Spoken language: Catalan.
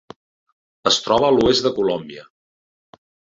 Es troba a l'oest de Colòmbia.